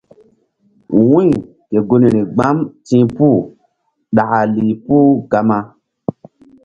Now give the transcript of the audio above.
Wu̧y ke gunri gbam ti̧h puh ɗaka lih puh gama.